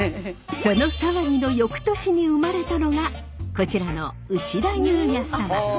その騒ぎの翌年に生まれたのがこちらの内田裕也サマ。